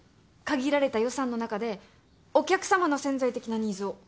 限られた予算の中でお客様の潜在的なニーズをつかみましょう。